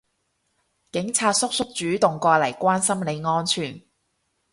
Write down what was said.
警察叔叔主動過嚟關心你安全